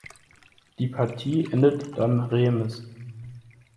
Die Partie endet dann remis.